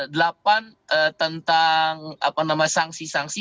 delapan tentang sanksi sanksi